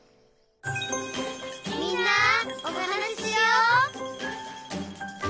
「みんなおはなししよう」